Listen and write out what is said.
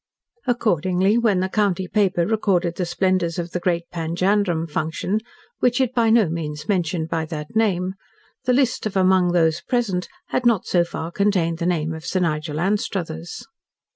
Accordingly, when the county paper recorded the splendours of The Great Panjandrum Function which it by no means mentioned by that name the list of "Among those present" had not so far contained the name of Sir Nigel Anstruthers.